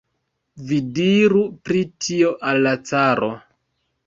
Vi diru pri tio al la caro!